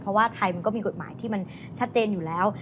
เพราะว่าไทยมันก็มีกฎหมายที่มันชัดเจนอยู่แล้ว